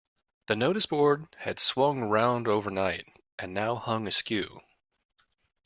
The noticeboard had swung round overnight, and now hung askew.